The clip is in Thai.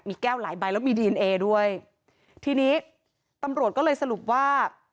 มีแก้วหลายใบแล้วมีดีเอนเอด้วยทีนี้ตำรวจก็เลยสรุปว่า